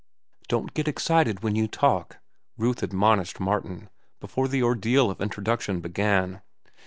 "Don't get excited when you talk," Ruth admonished Martin, before the ordeal of introduction began.